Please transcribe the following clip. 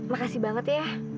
makasih banget ya